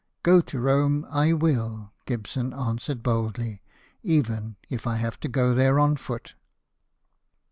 " Go to Rome I will," Gibson answered boldly, " even if I have to go there on foot."